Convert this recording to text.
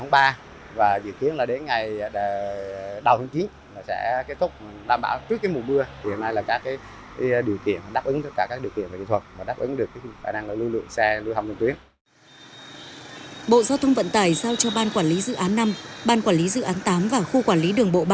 bộ giao thông vận tải giao cho ban quản lý dự án năm ban quản lý dự án tám và khu quản lý đường bộ ba